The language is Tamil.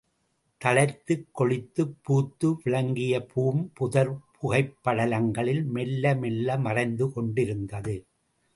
தழைத்துக் கொழித்துப் பூத்து விளங்கிய பூம்புதர் புகைப்படலங்களில் மெல்ல மெல்ல மறைந்து கொண்டிருந்தது.